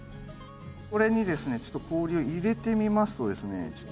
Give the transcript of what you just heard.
これにですねちょっと氷を入れてみますとですね。